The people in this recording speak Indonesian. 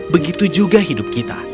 begitu juga hidup kita